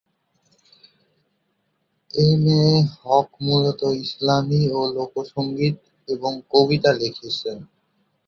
M A Haq মূলত ইসলামি ও লোক সঙ্গীত এবং কবিতা লিখেছেন।